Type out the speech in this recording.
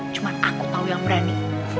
cuman aku tau yang berani